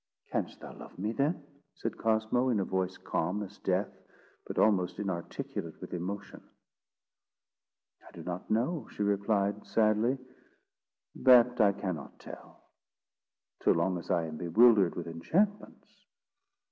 "Canst thou love me then?" said Cosmo, in a voice calm as death, but almost inarticulate with emotion. "I do not know," she replied sadly; "that I cannot tell, so long as I am bewildered with enchantments.